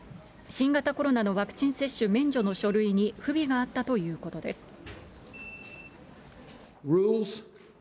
新型コロナのワクチン接種免除の書類に不備があったということです。